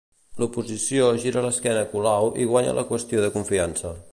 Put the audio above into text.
L'oposició gira l'esquena a Colau i guanya la qüestió de confiança.